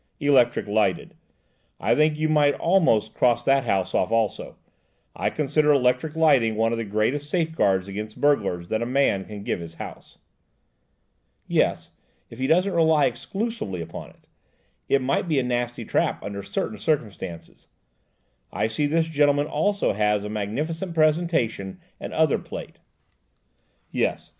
"Electric lighted. I think you might almost cross that house off also. I consider electric lighting one of the greatest safeguards against burglars that a man can give his house." "Yes, if he doesn't rely exclusively upon it; it might be a nasty trap under certain circumstances. I see this gentleman also has magnificent presentation and other plate." "Yes.